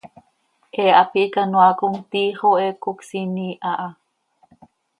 He hapi hicanoaa com, tiix oo he cocsiin iiha ha.